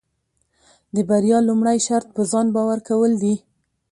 د بریا لومړی شرط پۀ ځان باور کول دي.